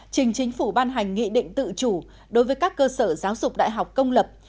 trình chính phủ ban hành nghị định tự chủ đối với các cơ sở giáo dục đại học công lập